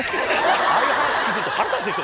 ああいう話聞いてると、腹立つでしょ？